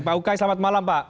pak ukay selamat malam pak